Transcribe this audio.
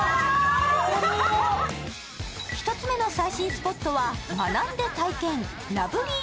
１つ目の最新スポットは学んで体験、らぶりー・